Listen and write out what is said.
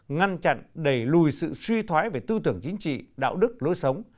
ngăn chặn đẩy lùi sự suy thoái về tư tưởng chính trị đạo đức lối sống